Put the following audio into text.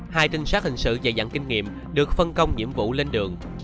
hai trinh sát hình sự dạy dặn kinh nghiệm được phân công nhiệm vụ lên đường